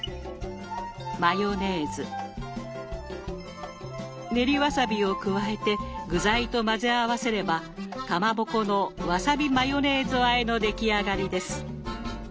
マヨネーズ練りわさびを加えて具材と混ぜ合わせれば「かまぼこのわさびマヨネーズあえ」の出来上がりです。